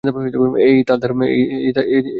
এই তার ধারণা ছিল?